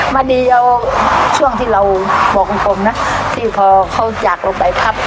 มาดีเอาช่วงที่เราบอกคุณปมน่ะซี่พ่อเขาจากลงไปพับ